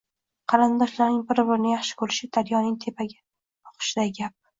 qarindoshlarning bir-birini yaxshi ko'rishi daryoning tepaga oqishiday gap.